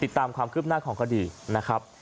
ติดตามความคืบหน้าของคดีนะครับ